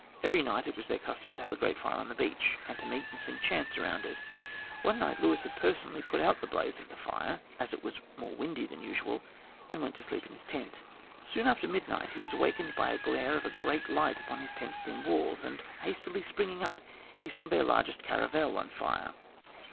Every night it was their custom to have a great fire on the beach, and to meet and sing chants around it. One night Luis had personally put out the blaze of the fire, as it was more windy than usual, and went to sleep in his tent. Soon after midnight he was awakened by a glare of a great light upon his tent's thin walls, and hastily springing up, he saw their largest caravel on fire.